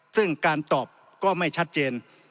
ซึ่งการตอบก็ไม่ชัดเจน